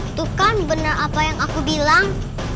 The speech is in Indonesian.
itu kan benar apa yang aku bilang